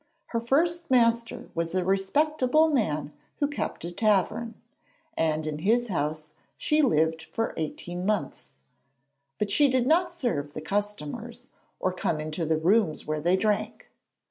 Her first master was a respectable man who kept a tavern, and in his house she lived for eighteen months. But she did not serve the customers, or come into the rooms where they drank.